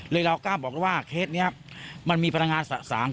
เรากล้าบอกว่าเคสนี้มันมีพลังงานสะสาง